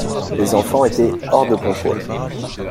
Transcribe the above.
Les enfants étaient hors de contrôle.